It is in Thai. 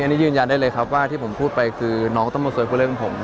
อันนี้ยืนยันได้เลยครับว่าที่ผมพูดไปคือน้องต้องมาเคยพูดเรื่องผม